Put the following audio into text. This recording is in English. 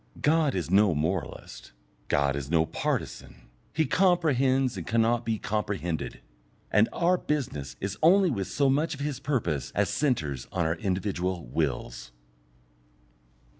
God is no moralist, God is no partisan; He comprehends and cannot be comprehended, and our business is only with so much of His purpose as centres on our individual wills.